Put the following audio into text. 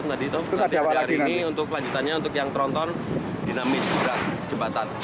nanti pada hari ini untuk lanjutannya untuk yang tronton dinamis sebelah jembatan